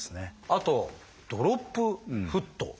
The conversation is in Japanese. あと「ドロップフット」。